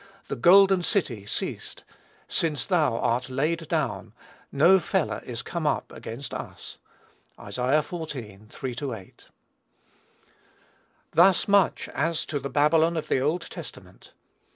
the golden city ceased!... since thou art laid down, no feller is come up against us." (Isa. xiv. 3 8.) Thus much as to the Babylon of the Old Testament.